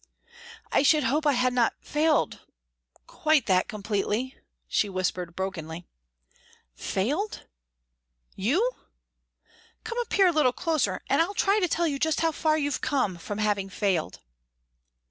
"I should hope I had not failed quite that completely," she whispered brokenly. "Failed? You? Come up here a little closer and I'll try to tell you just how far you've come from having failed."